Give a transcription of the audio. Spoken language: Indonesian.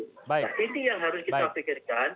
nah ini yang harus kita pikirkan